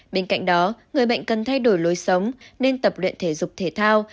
bên cạnh đó người bệnh cần thay đổi lối sống nên tập luyện thể dục thể thao